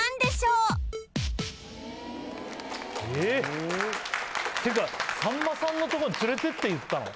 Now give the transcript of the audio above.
うん？っていうかさんまさんのとこに連れてって言ったの？